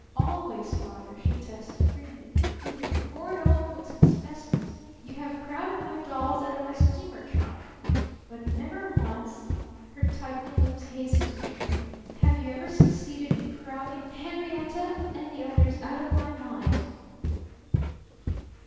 "Always, Father," she attested grimly, "with your horrid old books and specimens you have crowded my dolls out of my steamer trunk. But never once " her tightening lips hastened to assure him, "have you ever succeeded in crowding Henrietta and the others out of my mind!"